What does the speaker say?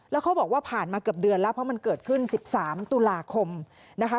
แล้วเขาบอกว่าผ่านมาเกือบเดือนแล้วเพราะมันเกิดขึ้น๑๓ตุลาคมนะคะ